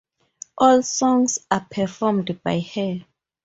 All songs are performed by her.